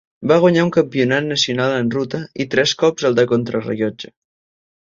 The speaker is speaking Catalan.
Va guanyar un Campionat nacional en ruta i tres cops el de contrarellotge.